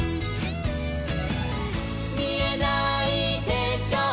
「みえないでしょう